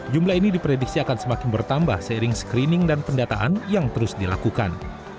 jumlah ini diprediksi akan semakin bertambah seiring screening dan pendataan yang terus dilakukan